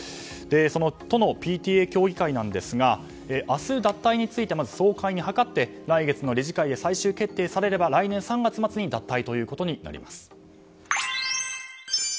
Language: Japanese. その都のＰＴＡ協議会ですが明日脱退について総会に諮って来月の理事会で最終決定されれば来年３月末に脱退ということになります。